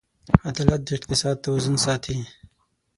عدالت د اقتصاد توازن ساتي.